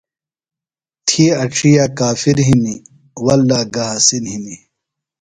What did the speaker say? تھی اڇِھیہ کافر ہِنیۡ وللّٰہ گہ حسِین ہِنیۡ۔